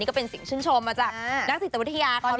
นี่ก็เป็นสินชมมาถูกจากนักศิษยวิทยาเขามาก